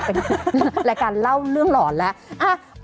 พอหล่อว่ามึงขอดเหรอ